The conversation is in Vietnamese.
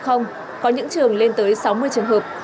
có những trường lên tới sáu mươi trường hợp